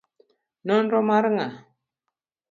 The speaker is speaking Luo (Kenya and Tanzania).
Nonro mar nga'?